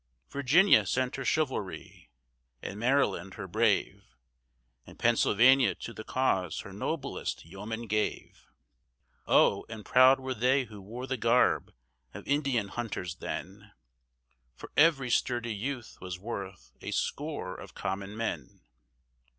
Virginia sent her chivalry and Maryland her brave, And Pennsylvania to the cause her noblest yeomen gave: Oh, and proud were they who wore the garb of Indian hunters then, For every sturdy youth was worth a score of common men!